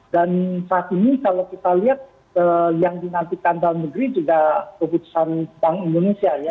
dan saat ini kalau kita lihat yang dinantikan dalam negeri juga keputusan bank indonesia ya